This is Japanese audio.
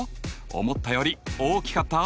思ったより大きかった？